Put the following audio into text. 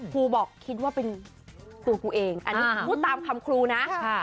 ครูบอกคิดว่าเป็นตัวครูเองอันนี้พูดตามคำครูนะ